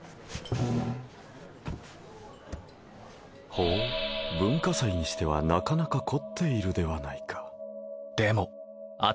ほぅ文化祭にしてはなかなか凝っているではないか